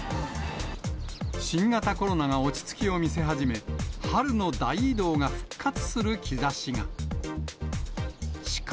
新型コロナが落ち着きを見せ始め、春の大移動が復活する兆しが。